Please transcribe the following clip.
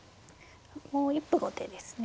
もう一歩後手ですね。